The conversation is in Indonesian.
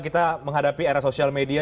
kita menghadapi era sosial media